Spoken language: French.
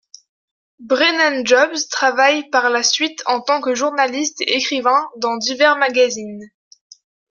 Brennan-Jobs travaille par la suite en tant que journaliste et écrivain dans divers magazines.